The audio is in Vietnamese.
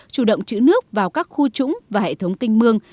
chủ động chữ nước vào các khu trũng và hệ thống kinh mương